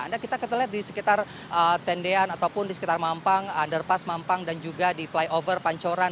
anda kita lihat di sekitar tendean ataupun di sekitar mampang underpas mampang dan juga di flyover pancoran